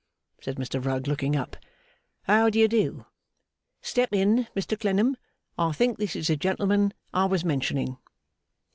said Mr Rugg, looking up. 'How do you do? Step in Mr Clennam, I think this is the gentleman I was mentioning.